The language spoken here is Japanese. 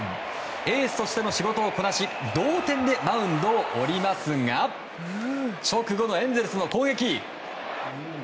エースとしての仕事をこなし同点でマウンドを降りますが直後のエンゼルスの攻撃。